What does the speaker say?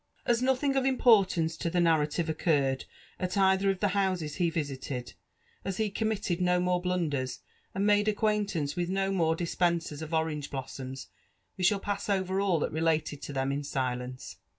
As nothing of importance to the narrative occurred at either of the houses he visited — as he committed no more blunders, and made ac quaintance with no more dispensers of orange blossoms, we shall pass over all that related to them in silence.